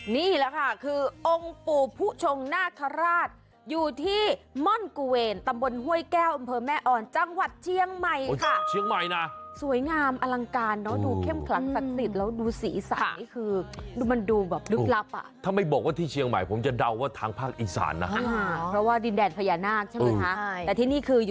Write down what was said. นี่แหละค่ะคือองค์ปู่ผู้ชงนาคาราชอยู่ที่ม่อนกุเวรตำบลห้วยแก้วอำเภอแม่อ่อนจังหวัดเชียงใหม่ค่ะเชียงใหม่นะสวยงามอลังการเนอะดูเข้มขลังศักดิ์สิทธิ์แล้วดูสีสันนี่คือดูมันดูแบบลึกลับอ่ะถ้าไม่บอกว่าที่เชียงใหม่ผมจะเดาว่าทางภาคอีสานนะเพราะว่าดินแดนพญานาคใช่ไหมคะ